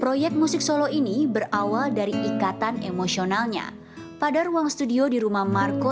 proyek musik solo ini berawal dari ikatan emosionalnya pada ruang studio di rumah marco